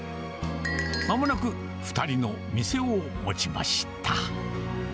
まもなく２人の店を持ちました。